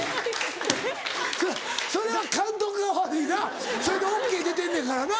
それそれは監督が悪いなそれでＯＫ出てんねんからな。